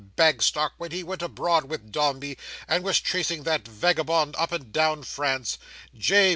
Bagstock, when he went abroad with Dombey and was chasing that vagabond up and down France, J.